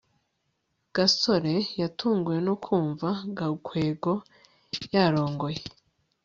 gasore yatunguwe no kumva gakwego yarongoye